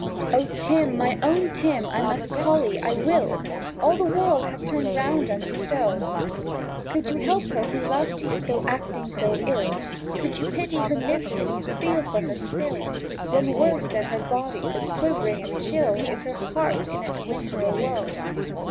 "O Tim, my own Tim I must call 'ee—I will! All the world ha' turned round on me so! Can you help her who loved 'ee, though acting so ill? Can you pity her misery—feel for her still? When worse than her body so quivering and chill Is her heart in its winter o' woe!